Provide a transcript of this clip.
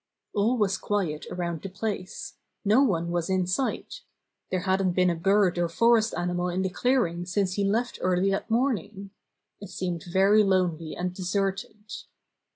All was quiet around the place. No one was in sight. There hadn't been a bird or for est animal in the clearing since he left earlj that morning. It seemed very lonely and de serted.